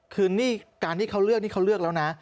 คือนี่การที่เขาเลือกนี่เขาเลือกแล้วนะ